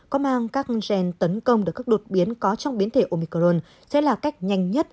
có mang các gen tấn công được các đột biến có trong biến thể omicron sẽ là cách nhanh nhất